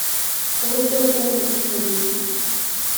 ku buryo bw’umubiri